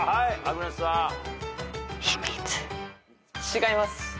違います。